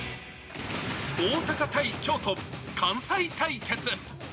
大阪対京都、関西対決。